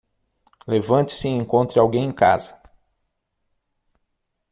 Levante-se e encontre alguém em casa